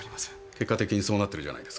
結果的にそうなってるじゃないですか。